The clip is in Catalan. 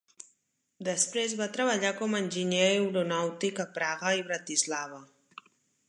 Després va treballar com a enginyer aeronàutic a Praga i Bratislava.